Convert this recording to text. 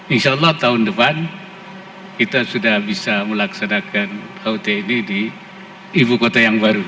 insya allah tahun depan kita sudah bisa melaksanakan hut ini di ibu kota yang baru